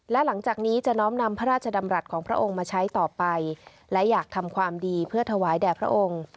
และหลังจากนี้จะน้อมนำพระราชดำรัฐของพระองค์มาใช้ต่อไปและอยากทำความดีเพื่อถวายแด่พระองค์